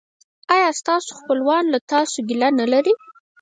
ایا ستاسو خپلوان له تاسو ګیله نلري؟